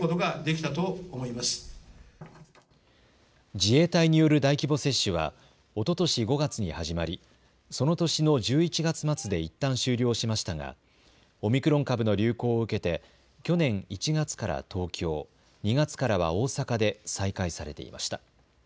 自衛隊による大規模接種はおととし５月に始まりその年の１１月末でいったん終了しましたがオミクロン株の流行を受けて去年１月から東京、２月からは大阪で再開されていました。